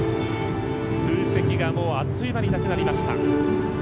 空席があっという間になくなりました。